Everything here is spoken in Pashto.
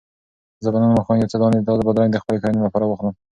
زه به نن ماښام یو څو دانې تازه بادرنګ د خپلې کورنۍ لپاره واخلم.